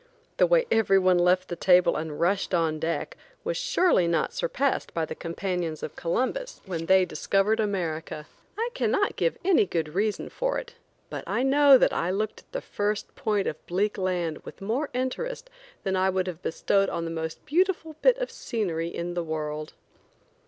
The way everyone left the table and rushed on deck was surely not surpassed by the companions of Columbus when they discovered America. I can not give any good reason for it, but I know that I looked at the first point of bleak land with more interest than I would have bestowed on the most beautiful bit of scenery in the world.